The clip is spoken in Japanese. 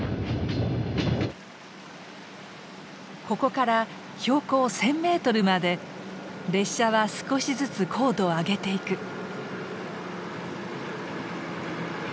ここから標高１，０００メートルまで列車は少しずつ高度を上げていく。